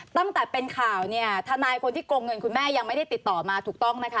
ตั้งแต่เป็นข่าวเนี่ยทนายคนที่โกงเงินคุณแม่ยังไม่ได้ติดต่อมาถูกต้องนะคะ